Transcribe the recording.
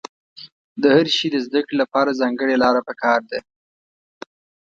د هر شي د زده کړې له پاره ځانګړې لاره په کار ده.